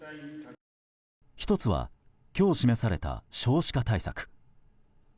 １つは、今日示された少子化対策。